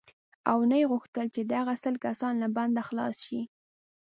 او نه یې غوښتل چې دغه سل کسان له بنده خلاص شي.